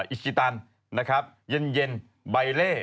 อิชิตันนะครับเย็นใบเล่